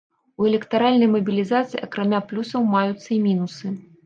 У электаральнай мабілізацыі акрамя плюсаў маюцца і мінусы.